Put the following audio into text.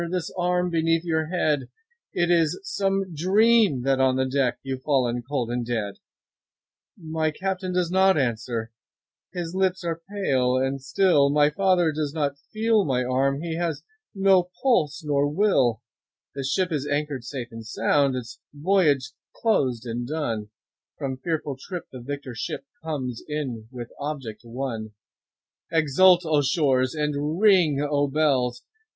This arm beneath your head! It is some dream that on the deck 15 You've fallen cold and dead. My Captain does not answer, his lips are pale and still, My father does not feel my arm, he has no pulse nor will; The ship is anchor'd safe and sound, its voyage closed and done, From fearful trip the victor ship comes in with object won; 20 Exult, O shores! and ring, O bells!